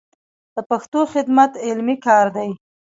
د پښتو خدمت علمي کار دی.